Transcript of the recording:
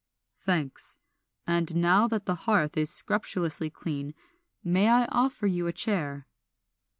"Thanks; and now that the hearth is scrupulously clean may I offer you a chair?"